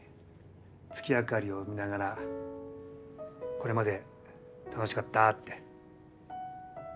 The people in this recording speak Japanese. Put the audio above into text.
月明かりを見ながら「これまで楽しかった」って。